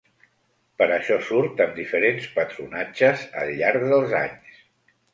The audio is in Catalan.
Per això surt amb diferents patronatges, al llarg dels anys.